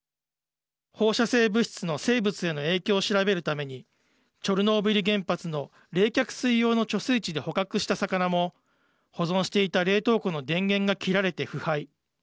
放射性物質の生物への影響を調べるためにチョルノービリ原発の冷却水用の貯水池で捕獲した魚も保存していた冷凍庫の電源が切られて腐敗。